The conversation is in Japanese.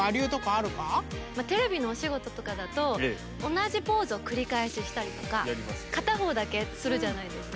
テレビのお仕事とかだと同じポーズを繰り返ししたりとか片方だけするじゃないですか。